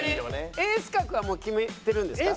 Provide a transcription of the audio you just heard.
エース格はもう決めてるんですか？